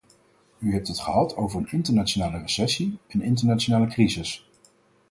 U hebt het gehad over een internationale recessie, een internationale crisis.